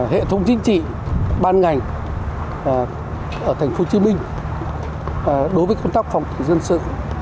hệ thống chính trị ban ngành ở thành phố hồ chí minh đối với công tác phòng thủ dân sự